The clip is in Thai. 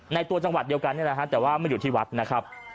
ตัวจังหวัดเดียวกันนี่แหละฮะแต่ว่าไม่อยู่ที่วัดนะครับ